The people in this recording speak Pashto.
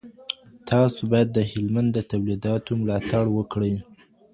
تاسو باید د هلمند د تولیداتو ملاتړ وکړئ.